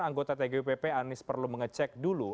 anggota tgupp anies perlu mengecek dulu